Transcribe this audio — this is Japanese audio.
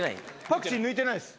パクチー抜いてないです。